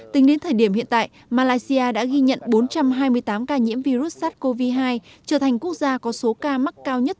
tính đến thời điểm hiện tại malaysia đã ghi nhận bốn trăm hai mươi tám ca nhiễm virus sars cov hai trở thành quốc gia có số ca mắc cao nhất